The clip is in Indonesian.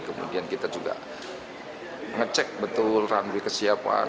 kemudian kita juga ngecek betul runway kesiapan